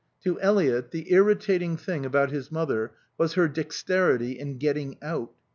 To Eliot the irritating thing about his mother was her dexterity in getting out.